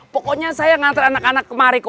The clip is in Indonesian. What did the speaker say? pokoknya saya ngantar anak anak kemarin ke